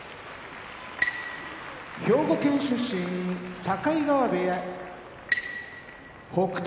兵庫県出身境川部屋北勝